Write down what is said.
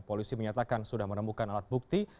polisi menyatakan sudah menemukan alat bukti